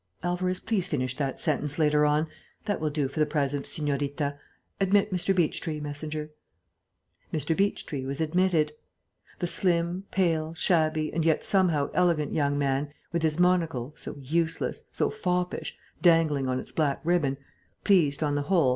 Alvarez, please finish that sentence later on. That will do for the present, señorita.... Admit Mr. Beechtree, messenger." Mr. Beechtree was admitted. The slim, pale, shabby and yet somehow elegant young man, with his monocle, so useless, so foppish, dangling on its black ribbon, pleased, on the whole, M.